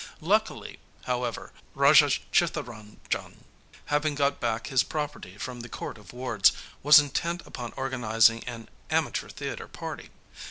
Luckily, however, Raja Chittaranjan, having got back his property from the Court of Wards, was intent upon organising an Amateur Theatre Party.